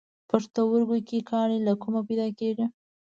په پښتورګو کې کاڼي له کومه پیدا کېږي؟